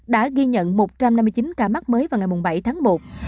đã ghi nhận một trăm năm mươi chín ca mắc mới vào ngày bảy tháng một